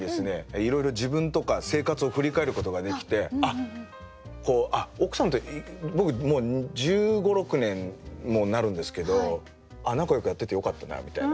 いろいろ自分とか生活を振り返ることができてあっ奥さんと僕もう１５１６年なるんですけど仲よくやっててよかったなみたいな。